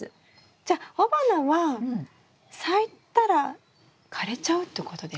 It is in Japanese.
じゃあ雄花は咲いたら枯れちゃうってことですか？